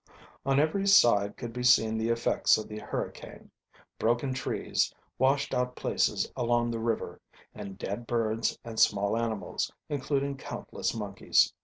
On every side could be seen the effects of the hurricane broken trees, washed out places along the river, and dead birds and small animals, including countless monkeys.